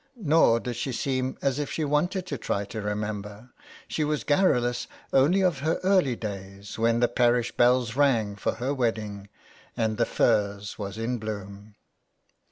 Nor did she seem as if she wanted to try to remember, she was garrulous only of her early days when the parish bells rang for her wedding, and the furze was in bloom.